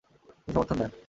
তিনি সমর্থন দেন।